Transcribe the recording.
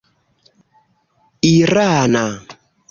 irana